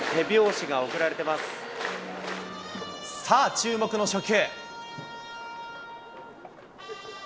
さあ、注目の初球。